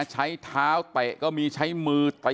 ใช้เท้าเตะก็มีใช้มือตี